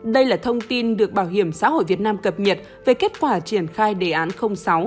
đây là thông tin được bảo hiểm xã hội việt nam cập nhật về kết quả triển khai đề án sáu